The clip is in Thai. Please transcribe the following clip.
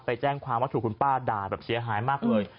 แจ้งความว่าถูกคุณป้าด่าแบบเสียหายมากเลย